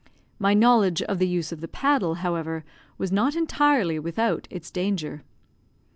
My knowledge of the use of the paddle, however, was not entirely without its danger.